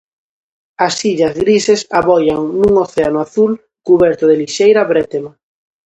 As illas grises aboian nun océano azul cuberto de lixeira brétema.